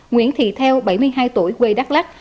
nguyễn thị theo bảy mươi hai tuổi quê đắk lắc